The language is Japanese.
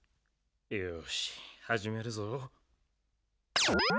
よしはじめるぞ。